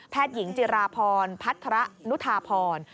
แพทย์หญิงจิราพรพัทระนุทาพร